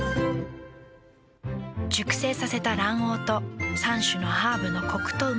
熟成させた卵黄と３種のハーブのコクとうま味。